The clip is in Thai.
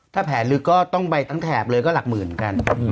ถ้าแผลลึกก็ต้องไปทั้งแถบเลยก็หลักหมื่นเหมือนกัน